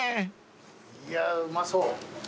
いやあうまそう。